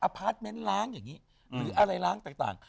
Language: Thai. พาร์ทเมนต์ล้างอย่างนี้หรืออะไรล้างต่าง